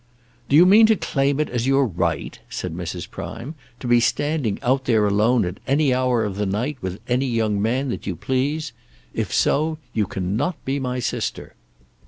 "Do you mean to claim it as your right," said Mrs. Prime, "to be standing out there alone at any hour of the night, with any young man that you please? If so, you cannot be my sister."